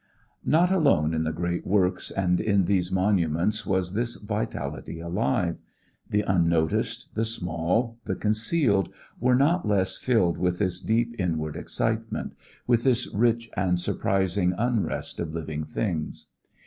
Not alone in the great works and in these monuments was this vitality alive: the unnoticed, the small, the concealed, were not less filled with this deep inward excitement, with this rich and surprising unrest of living things.